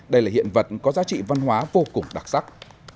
đây là hiện vật có giá trị văn hóa vô cùng đặc sắc